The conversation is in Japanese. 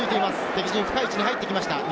敵陣の深い位置に入ってきました。